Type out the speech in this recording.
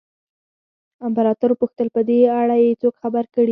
امپراتور وپوښتل په دې اړه یې څوک خبر کړي دي.